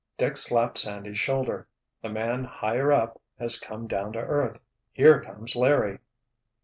Dick slapped Sandy's shoulder. "The 'man higher up' has come down to earth! Here comes Larry!"